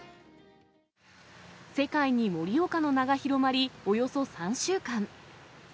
世界に盛岡の名が広まり、およそ３週間。